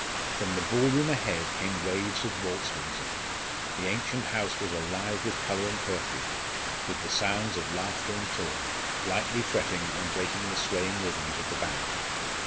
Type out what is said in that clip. From the ball room ahead came waves of waltz music; the ancient house was alive with colour and perfume, with the sounds of laughter and talk, lightly fretting, and breaking the swaying rhythms of the band.